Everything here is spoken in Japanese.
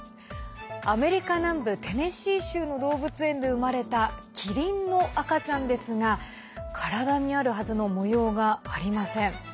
アメリカ南部テネシー州の動物園で生まれたキリンの赤ちゃんですが体にあるはずの模様がありません。